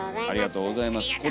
ありがとうございます。